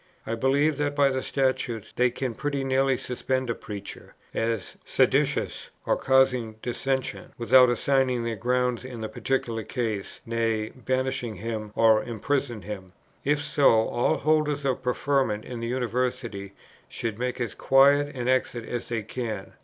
I believe that by the Statutes, they can pretty nearly suspend a Preacher, as seditiosus or causing dissension, without assigning their grounds in the particular case, nay, banish him, or imprison him. If so, all holders of preferment in the University should make as quiet an exit as they can.